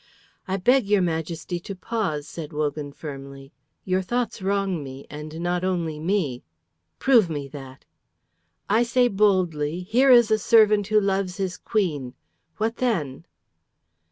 "I beg your Majesty to pause," said Wogan, firmly. "Your thoughts wrong me, and not only me." "Prove me that!" "I say boldly, 'Here is a servant who loves his Queen!' What then?"